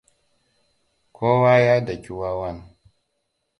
Kowa ya daki wawan.